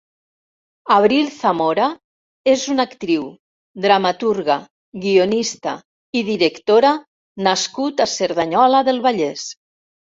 Abril Zamora és un actriu, dramaturga, guionista i directora nascut a Cerdanyola del Vallès.